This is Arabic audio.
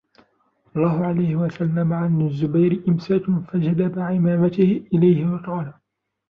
اللَّهُ عَلَيْهِ وَسَلَّمَ عَنْ الزُّبَيْرِ إمْسَاكٌ فَجَذَبَ عِمَامَتَهُ إلَيْهِ وَقَالَ